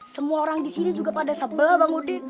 semua orang di sini juga pada sebelah bang udin